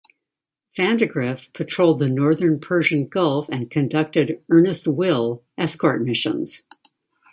"Vandegrift" patrolled the Northern Persian Gulf and conducted Earnest Will escort missions.